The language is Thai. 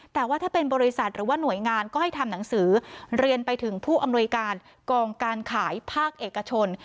แต่ว่าถ้าเป็นบริษัทหรือว่าหน่วยงานก็ให้ทำหนังสือเรียนไปถึงผู้อำนวยการกองการขายภาคเอกชน